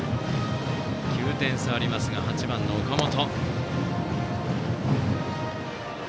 ９点差がありますが打席には８番の岡本。